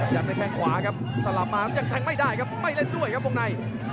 ด้วยแข้งขวาครับสลับมายังแทงไม่ได้ครับไม่เล่นด้วยครับวงใน